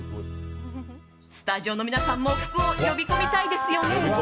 スタジオの皆さんも福を呼び込みたいですよね。